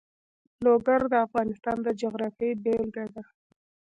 لوگر د افغانستان د جغرافیې بېلګه ده.